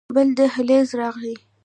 بل دهليز راغى.